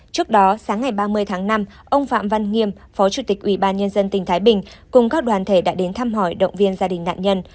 trước đó sáng ngày ba mươi tháng năm ông phạm văn nghiêm phó chủ tịch ủy ban nhân dân tỉnh thái bình cùng các đoàn thể đã đến thăm hỏi động viên gia đình nạn nhân